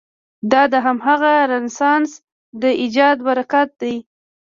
دا د همغه رنسانس د ایجاد براکت دی.